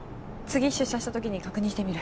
次出社したときに確認してみる。